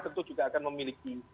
tentu juga akan memiliki